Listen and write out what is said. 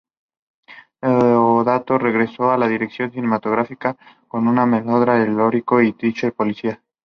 Deodato regresó a la dirección cinematográfica con un melodrama erótico y un thriller policial.